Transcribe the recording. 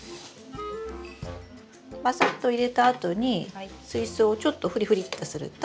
バサッと入れたあとに水槽をちょっとフリフリッとすると均一に。